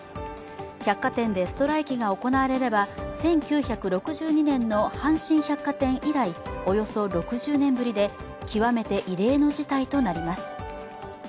百貨店でストライキが行われれば１９６２年の阪神百貨店以来およそ６０年ぶりで極めて異例の事態となります